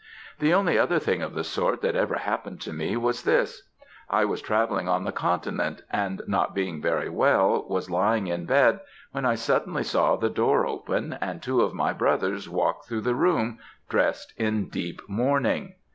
The only other thing of the sort that ever happened to me was this: I was travelling on the Continent, and not being very well, was lying in bed, when I suddenly saw the door open, and two of my brothers walk through the room, dressed in deep mourning.